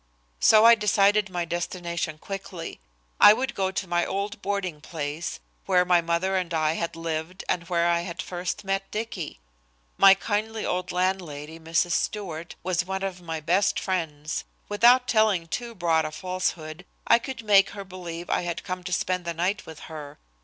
So I decided my destination quickly. I would go to my old boarding place, where my mother and I had lived and where I had first met Dicky. My kindly old landlady, Mrs. Stewart, was one of my best friends. Without telling too broad a falsehood, I could make her believe I had come to spend the night with her.